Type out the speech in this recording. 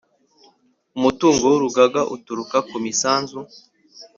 Umutungo w urugaga uturuka ku misanzu